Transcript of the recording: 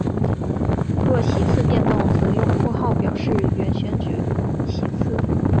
若席次变动则用括号表示原选举席次。